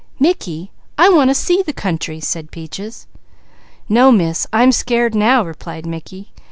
"Mickey, I want to see the country!" said Peaches. "No Miss! I'm scared now," replied Mickey.